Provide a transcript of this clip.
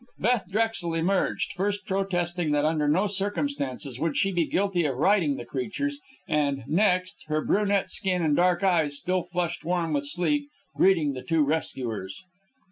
Beth Drexel emerged, first protesting that under no circumstances would she be guilty of riding the creatures, and, next, her brunette skin and dark eyes still flushed warm with sleep, greeting the two rescuers.